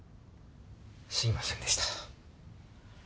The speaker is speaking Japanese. すいませんでした。